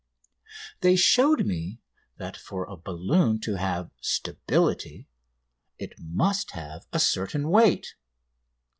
They showed me that for a balloon to have "stability" it must have a certain weight.